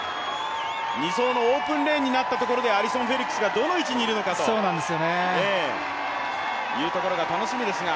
２走のオープンレーンになったところで、アリソン・フェリックスがどの位置にいるのか楽しみですね。